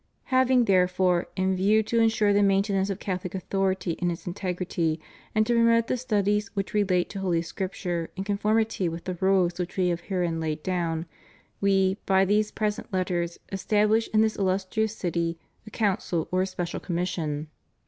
Having, therefore, in view to ensure the maintenance of Catholic authority in its integrity, and to promote the studies which relate to Holy Scripture in conformity with the rules which have been herein laid down, We, by these present Letters, estabhsh in this illustrious city a council or a special commission.